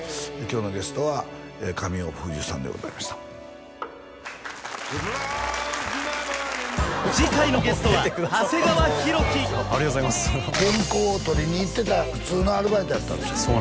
今日のゲストは神尾楓珠さんでございました次回のゲストは長谷川博己原稿を取りに行ってた普通のアルバイトやったんですよ